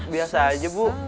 biasa aja bu